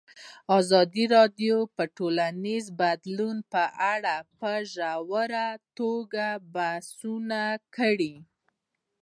ازادي راډیو د ټولنیز بدلون په اړه په ژوره توګه بحثونه کړي.